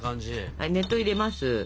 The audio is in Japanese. はい熱湯入れます。